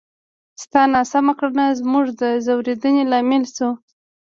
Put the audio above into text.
ستا ناسمه کړنه زموږ د ځورېدنې لامل شوه!